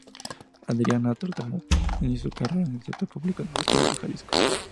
Adriana Tortajada inició su carrera en el sector público en el estado de Jalisco.